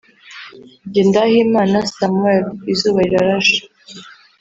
Ngendahimana Samuel / Izuba Rirashe